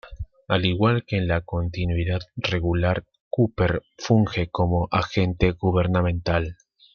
Al igual que en la continuidad regular, Cooper funge como agente gubernamental.